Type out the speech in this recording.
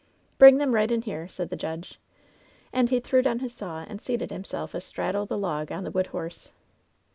" 'Bring them right in here,' said the judge, and he threw down his saw and seated himself astraddle the log on the wood horse.